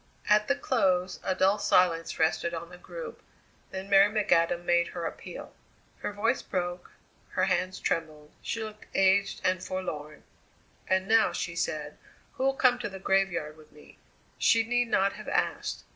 At the close a dull silence rested on the group, then Mary McAdam made her appeal. Her voice broke; her hands trembled. She looked aged and forlorn. "And now," she said; "who'll come to the graveyard with me?" She need not have asked.